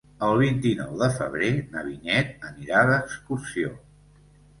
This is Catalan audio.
El vint-i-nou de febrer na Vinyet anirà d'excursió.